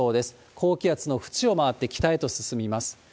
高気圧の縁を回って北へと進みます。